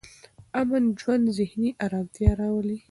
امن ژوند ذهني ارامتیا راولي.